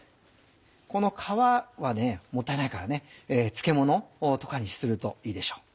この皮はもったいないからね漬物とかにするといいでしょう。